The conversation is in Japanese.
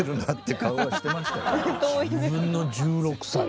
自分の１６歳。